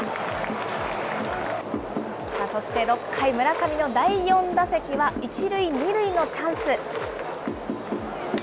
そして６回、村上の第４打席は、１塁２塁のチャンス。